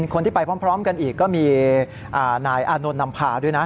คนที่ไปพร้อมกันอีกก็มีนายอานนท์นำพาด้วยนะ